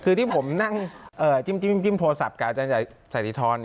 คือที่ผมนั่งจิ้มโทรศัพท์กับอาจารย์สันติธร